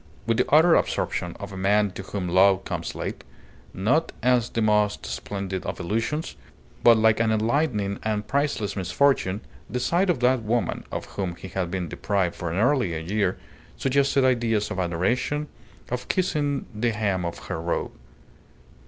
With the utter absorption of a man to whom love comes late, not as the most splendid of illusions, but like an enlightening and priceless misfortune, the sight of that woman (of whom he had been deprived for nearly a year) suggested ideas of adoration, of kissing the hem of her robe.